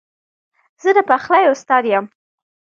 زه د پخلي استاد یم